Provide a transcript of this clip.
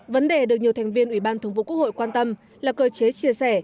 vấn đề được nhiều thành viên ủy ban thường vụ quốc hội quan tâm là cơ chế chia sẻ